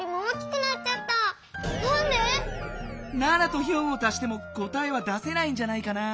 ７と４を足しても答えは出せないんじゃないかな。